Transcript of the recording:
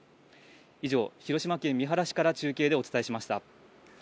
以上、広島県三原市から中継でお伝えしました。